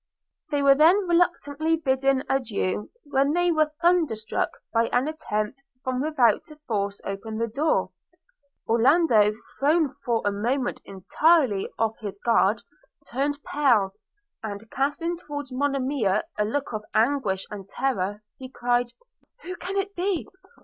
They were then reluctantly bidding adieu, when they were thunder struck by an attempt from without to force open the door. Orlando, thrown for a moment entirely off his guard, turned pale; and, casting towards Monimia a look of anguish and terror, he cried, 'Who can it be?